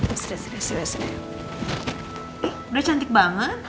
udah cantik banget